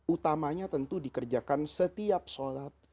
utamanya tentu dikerjakan setiap sholat